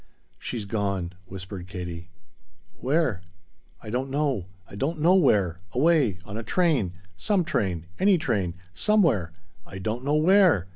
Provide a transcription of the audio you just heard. "She's gone," whispered Katie. "Where?" "I don't know I don't know where. Away. On a train. Some train. Any train. Somewhere. I don't know where.